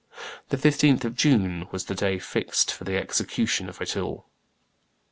The 15th of June was the day fixed for the execution of it all."